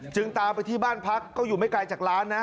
จึงตามไปที่บ้านพักก็อยู่ไม่ไกลจากร้านนะ